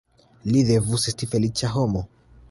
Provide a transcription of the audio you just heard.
Li devus esti feliĉa homo.